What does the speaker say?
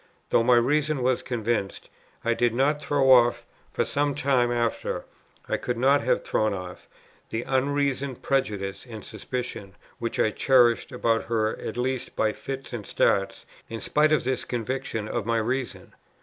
Though my reason was convinced, I did not throw off, for some time after, I could not have thrown off, the unreasoning prejudice and suspicion, which I cherished about her at least by fits and starts, in spite of this conviction of my reason.